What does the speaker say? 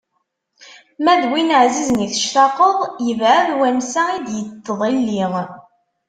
Ma d win ɛzizen i tectaqeḍ, yebɛed wansa i d-yettḍilli.